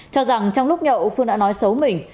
cho rằng trong lúc nhậu phương đã nói xấu mình